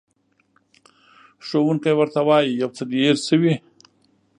ښوونکی ورته وایي، یو څه دې هېر شوي.